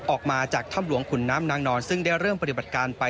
ออกมาจากถ้ำหลวงขุนน้ำนางนอนซึ่งได้เริ่มปฏิบัติการไป